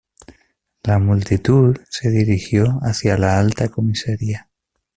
La multitud se dirigió hacia la Alta Comisaría.